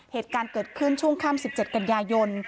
เหตุการณ์เกิดขึ้นช่วงค่ำ๑๗กันยายน